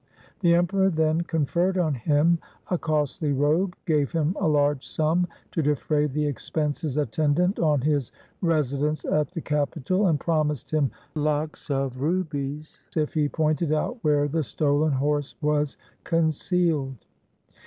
The Emperor then con ferred on him a costly robe, gave him a large sum to defray the expenses attendant on his residence at the capital, and promised him lakhs of rupees if he pointed out where the stolen horse was concealed.